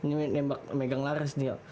ini nembak megang laras nih